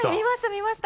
見ました！